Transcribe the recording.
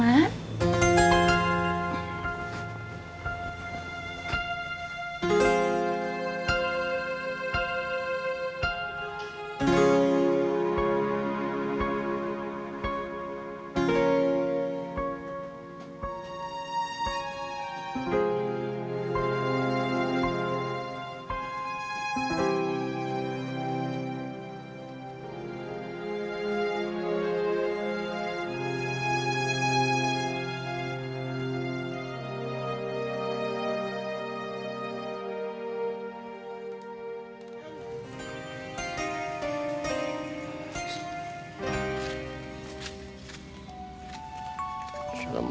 asobri pamit dulu ya